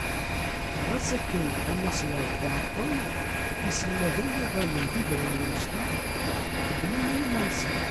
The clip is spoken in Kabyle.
Ɣas akken amaswaḍ iɛeṭṭel-n iselmaden uɣalen d igrawen imecṭaḥ xeddmen i yiman-nsen.